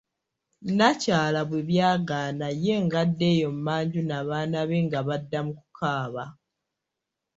Nnakyala bwe byagaana ye ng'adda eyo manju n'abaana be nga badda mu kukaaba.